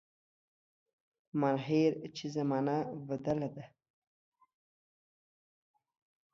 مانهیر چي زمانه بدله ده